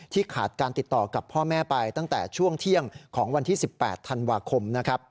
ขาดการติดต่อกับพ่อแม่ไปตั้งแต่ช่วงเที่ยงของวันที่๑๘ธันวาคม